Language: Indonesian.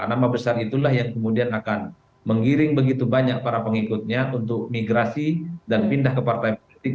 nama besar itulah yang kemudian akan menggiring begitu banyak para pengikutnya untuk migrasi dan pindah ke partai politik